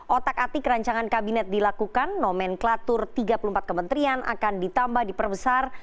otak atik rancangan kabinet dilakukan nomenklatur tiga puluh empat kementerian akan ditambah diperbesar